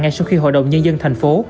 ngay sau khi hội đồng nhân dân thành phố